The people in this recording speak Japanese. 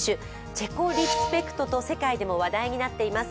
チェコリスペクトと世界でも話題になっています。